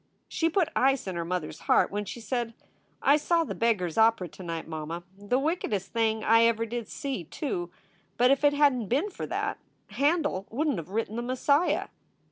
She put ice in her mother s heart when she said: " I saw The Beggar s Opera to night, mamma the wickedest thing I ever did see, too. But if it hadn t been for that, Handel wouldn t have written The Messiah.